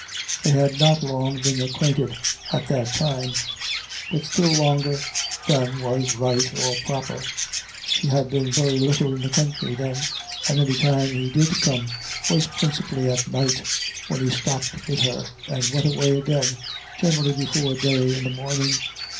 They had not long been acquainted at that time but still longer than was right or proper. She had been very little in the country then, and any time he did come was principally at night, when he stopped with her, and went away again, generally before day in the morning.